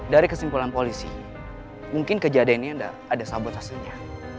dari kesimpulan polisi mungkin kejadian ini ada sabotasinya